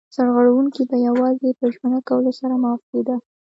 سرغړونکی به یوازې په ژمنه کولو سره معاف کېده.